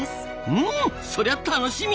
うんそりゃ楽しみ！